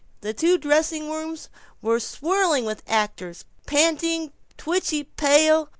The two dressing rooms were swirling with actors, panting, twitchy pale.